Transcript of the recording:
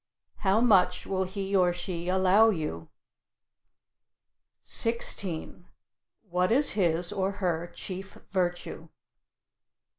How much will he or she allow you? 16. What is his or her chief virtue?